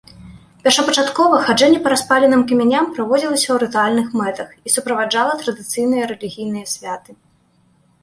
Першапачаткова хаджэнне па распаленым камяням праводзілася ў рытуальных мэтах і суправаджала традыцыйныя рэлігійныя святы.